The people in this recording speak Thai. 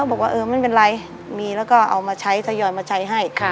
บอกว่าเออไม่เป็นไรมีแล้วก็เอามาใช้ทยอยมาใช้ให้